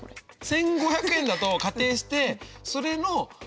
１５００円だと仮定してそれの４０。